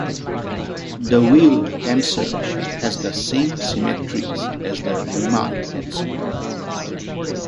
The Weyl tensor has the same symmetries as the Riemann tensor.